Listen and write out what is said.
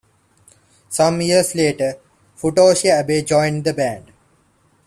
Some years later Futoshi Abe joined the band.